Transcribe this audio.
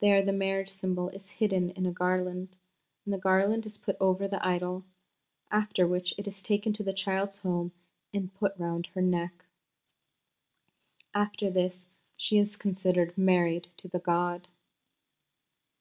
There the marriage symbol is hidden in a garland, and the garland is put over the idol, after which it is taken to the child's home and put round her neck." After this she is considered married to the god.